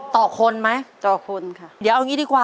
ต่อคนไหม